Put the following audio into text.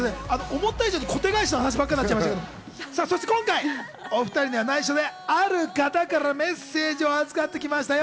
思った以上に小手返しの話ばかりなっちゃったけど、今回、お２人には内緒である方からメッセージを預かってきましたよ。